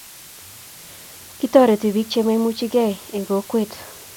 Kitoriti biik che maimuchi gei eng' kokwet